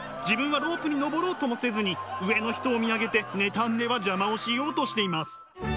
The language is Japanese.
自分はロープに登ろうともせずに上の人を見上げて妬んでは邪魔をしようとしています。